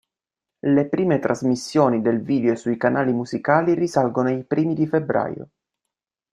Le prime trasmissioni del video sui canali musicali risalgono ai primi di febbraio.